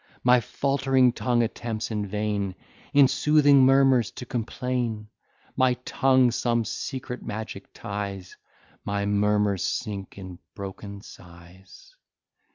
My faltering tongue attempts in vain In soothing murmurs to complain; My tongue some secret magic ties, My murmurs sink in broken sighs.